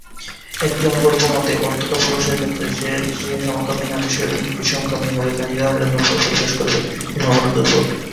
একটি অনুকল্প মতে, অন্তত পুরুষের ক্ষেত্রে সে সমকামী না বিষমকামী হবে তা নির্ধারণ জন্মের পরে পরিবেশ করবে; সে সম্ভাবনা দুর্বল।